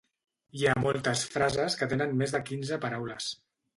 Hi ha moltes frases que tenen més de quinze paraules